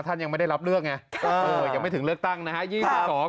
ท่านยังไม่ได้รับเลือกไงยังไม่ถึงเลือกตั้งนะคะ